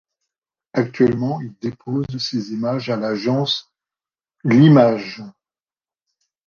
Actuellement il dépose ses images à l’agence Leemage.